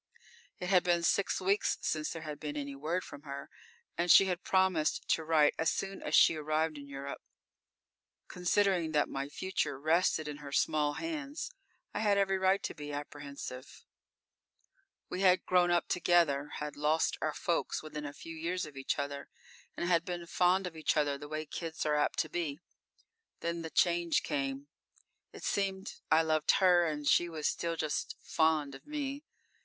It had been six weeks since there had been any word from her, and she had promised to write as soon as she arrived in Europe. Considering that my future rested in her small hands, I had every right to be apprehensive. We had grown up together, had lost our folks within a few years of each other and had been fond of each other the way kids are apt to be. Then the change came: It seemed I loved her, and she was still just "fond" of me.